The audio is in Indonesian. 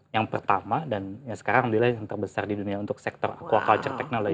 yang pertama dan yang sekarang alhamdulillah yang terbesar di dunia untuk sektor aquaculture technology